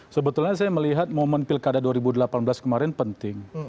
sebetulnya saya melihat momen pilkada dua ribu delapan belas kemarin penting